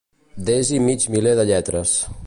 Desi mig miler de lletres.